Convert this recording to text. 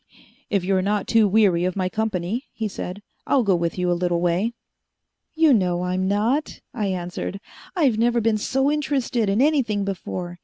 "If you're not too weary of my company," he said, "I'll go with you a little way." "You know I'm not," I answered. "I've never been so interested in anything before.